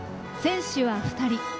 選手は２人。